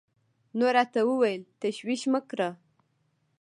نو راته وويل تشويش مه کړه.